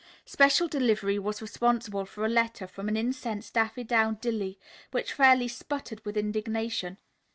Special delivery was responsible for a letter from an incensed Daffydowndilly, which fairly sputtered with indignation.